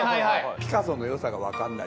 「ピカソの良さがわかんない」。